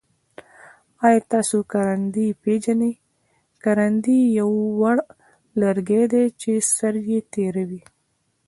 آیا تاسو کرندی پیژنی؟ کرندی یو وړ لرګی دی چه سر یي تیره وي.